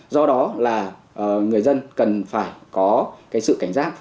do đó là người dân cần phải có cái sự cảnh giác